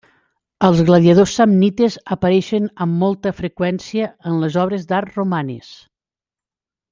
Els gladiadors samnites apareixen amb molta freqüència en les obres d'art romanes.